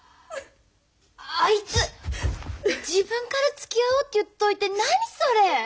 あいつ自分からつきあおうって言っといて何それ！